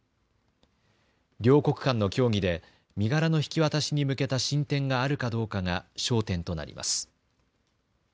両国間の協議で身柄の引き渡しに向けた進展があるかどうかが焦点となります。